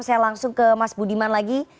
saya langsung ke mas budiman lagi